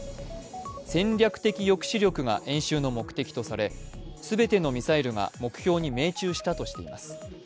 戦略的抑止力が演習の目的とされ、全てのミサイルが、目標に命中したとしています。